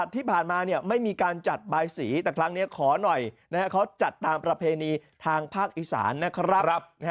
ที่ผ่านมาไม่มีการจัดบายสีแต่ครั้งนี้ขอหน่อยเขาจัดตามประเพณีทางภาคอีสานนะครับ